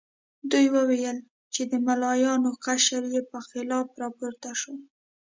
دوی وویل چې د ملایانو قشر یې په خلاف راپورته شو.